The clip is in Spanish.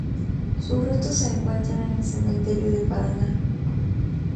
Sus restos se encuentran en el cementerio de Paraná.